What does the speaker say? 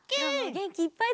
げんきいっぱい！